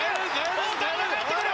大谷が帰ってくる。